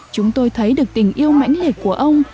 chúng tôi thấy được tình yêu mãnh liệt của ông